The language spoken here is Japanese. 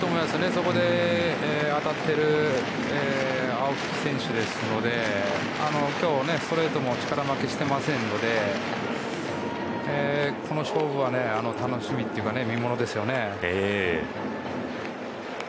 そこで当たってる青木選手ですので今日、ストレートも力負けてしていませんしこの勝負は、楽しみというか見ものですね。